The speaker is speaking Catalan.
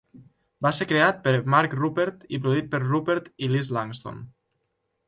Va ser creat per Mark Ruppert i produït per Ruppert i Liz Langston.